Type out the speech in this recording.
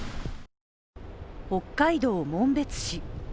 北海道紋別市。